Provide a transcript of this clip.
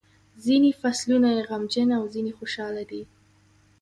ځینې فصلونه یې غمجن او ځینې خوشاله دي.